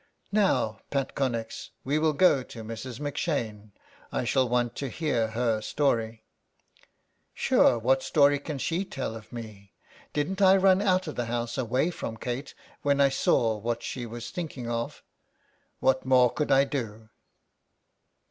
'' Now, Pat Connex, we will go to Mrs. M 'Shane. I shall want to hear her story." "Sure what story can she tell of me? Didn't I run out of the house away from Kate when I saw what she was thinking of? What more could I do?"